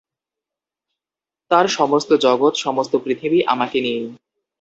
তাঁর সমস্ত জগৎ, সমস্ত পৃথিবী আমাকে নিয়েই।